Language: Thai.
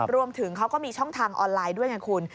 รวมถึงเขาก็มีช่องทางออนไลน์ด้วยไงคุณ